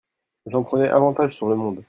J'en prenais avantage sur le monde.